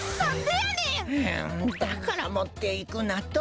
はあだからもっていくなと。